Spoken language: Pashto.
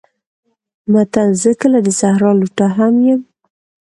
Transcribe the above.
متل: زه که د صحرا لوټه هم یم